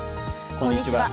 こんにちは。